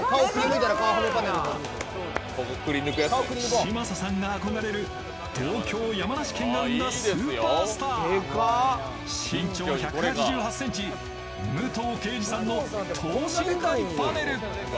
嶋佐さんが憧れる同郷・山梨県が生んだスーパースター身長１８８ｃｍ武藤敬司さんの等身大パネル！